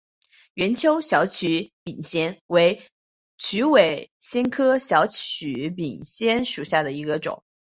圆锹小曲柄藓为曲尾藓科小曲柄藓属下的一个种。